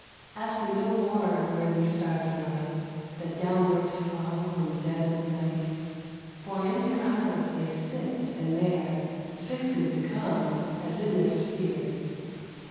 Ask me no more where those stars 'light That downwards fall in dead of night; For in your eyes they sit, and there 15 Fixèd become as in their sphere.